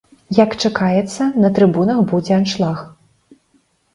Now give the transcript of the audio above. Як чакаецца, на трыбунах будзе аншлаг.